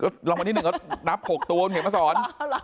ก็รางวัลที่๑นับ๖ตัวเห็นมั้ยสอน